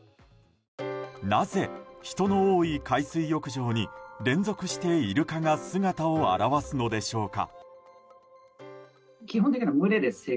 なぜ人の多い海水浴場に連続してイルカが姿を現すのでしょうか。